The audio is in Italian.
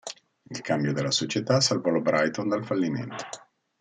Il cambio della società salvò il Brighton dal fallimento.